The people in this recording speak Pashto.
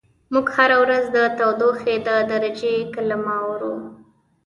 موږ هره ورځ د تودوخې د درجې کلمه اورو.